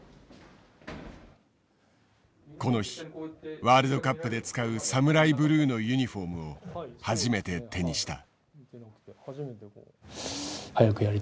この日ワールドカップで使うＳＡＭＵＲＡＩＢＬＵＥのユニフォームを初めて手にした。